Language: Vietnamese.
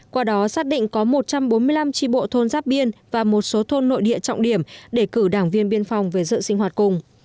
qua đó xác định có một trăm bốn mươi năm tri bộ thôn giáp biên và một số thôn nội địa trọng điểm để cử đảng viên biên phòng về dự sinh hoạt cùng